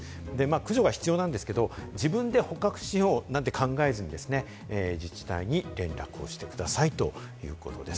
駆除が必要なんですけれども、自分で捕獲しようなんて考えずにですね、自治体に連絡をしてくださいということです。